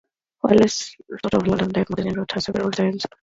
Wallace Stort of the London Life Magazine wrote of her several times.